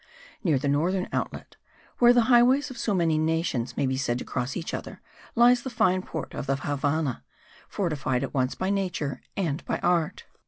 Near the northern outlet, where the highways of so many nations may be said to cross each other, lies the fine port of the Havannah, fortified at once by nature and by art.